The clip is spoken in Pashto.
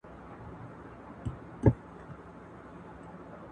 ازمایښتي څېړنه په لابراتوار کي ترسره کیږي.